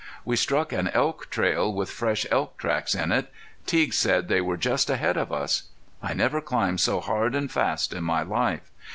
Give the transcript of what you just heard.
We struck an elk trail with fresh elk tracks in it. Teague said they were just ahead of us. I never climbed so hard and fast in my life.